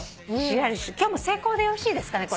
今日成功でよろしいですかね？